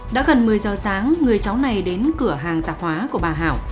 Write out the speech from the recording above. đã gần một mươi giờ sáng người cháu này đến cửa hàng tạp hóa của bà hảo